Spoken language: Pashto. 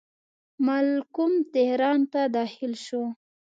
مالکم تهران ته داخل شو.